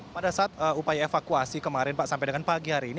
pada saat upaya evakuasi kemarin pak sampai dengan pagi hari ini